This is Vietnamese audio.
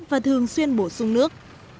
và thường xuyên bổ sung nước